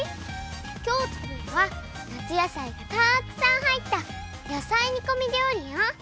きょうつくるのは夏野菜がたくさんはいった野菜煮込みりょうりよ。